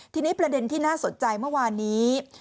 ทีนี้ประเด็นที่น่าสนใจเมื่อวานนี้